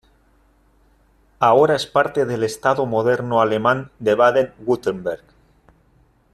Ahora es parte del estado moderno alemán de Baden-Wurtemberg.